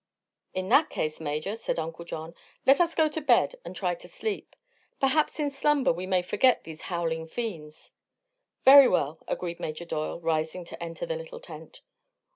"In that case, Major," said Uncle John, "let us go to bed and try to sleep. Perhaps in slumber we may forget these howling fiends." "Very well," agreed Major Doyle, rising to enter the little tent.